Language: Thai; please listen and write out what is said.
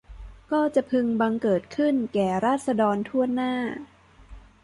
ก็จะพึงบังเกิดขึ้นแก่ราษฎรถ้วนหน้า